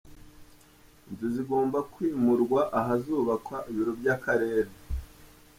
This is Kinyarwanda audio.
Inzu zigomba kwimurwa ahazubakwa ibiro by’akarere.